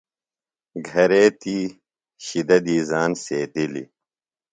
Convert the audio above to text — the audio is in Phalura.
گھرے تی شِدہ دی زان سیتِلیۡ۔